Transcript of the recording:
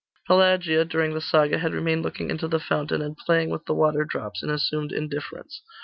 Pelagia, during the saga, had remained looking into the fountain, and playing with the water drops, in assumed indifference.